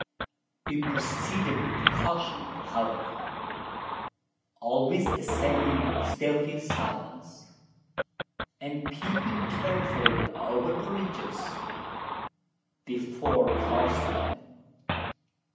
We proceeded with caution, however: always ascending in stealthy silence, and peeping carefully over the ridges before crossing them.